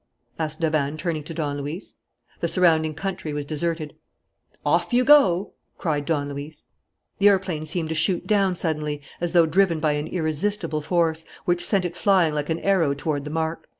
asked Davanne, turning to Don Luis. The surrounding country was deserted. "Off you go!" cried Don Luis. The aeroplane seemed to shoot down suddenly, as though driven by an irresistible force, which sent it flying like an arrow toward the mark.